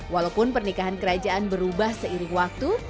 walaupun pernikahan kerajaan berubah seiring waktu